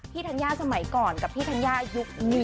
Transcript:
ธัญญาสมัยก่อนกับพี่ธัญญายุคนี้